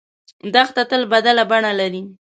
دښته تل بدله بڼه لري.